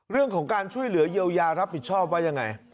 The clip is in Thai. เรื่องของการช่วยเหลือเยียวยารับผิดชอบว่ายังไง